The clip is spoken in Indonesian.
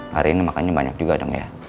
hari ini makannya banyak juga dong ya